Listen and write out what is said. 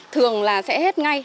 thường là sẽ hết ngay